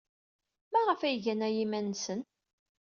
Maɣef ay gan aya i yiman-nsen?